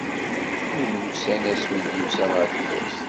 Nemyussan asmi i d-yusa ɣer tmurt.